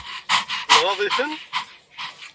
Nɣaḍ-iten?